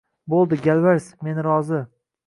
Bo`ldi, galvars, men rozi